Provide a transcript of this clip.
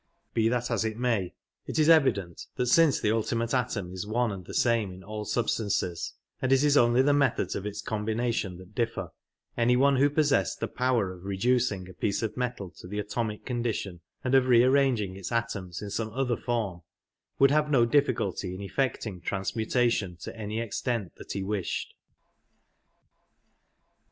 Be that as it may, it is evjdent t)iat since the ultimate atom is one 4iid ^he samp in ^f\ substances, and it is only tl^e methods of hi corolDination that (Jiffer, any one who pos sessed the power of reducing a piece of metal to the atomic cpnditipR ai^d of rp arrapging i^s atojps in some other form would have no difficulty ip effeptin^g transmutation tp any extent that he wished.